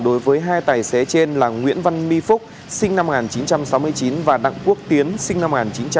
đối với hai tài xế trên là nguyễn văn mi phúc sinh năm một nghìn chín trăm sáu mươi chín và đặng quốc tiến sinh năm một nghìn chín trăm tám mươi